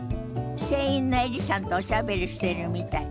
店員のエリさんとおしゃべりしてるみたい。